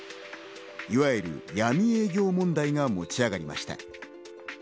いわゆる闇営業問題が持ち上がりました。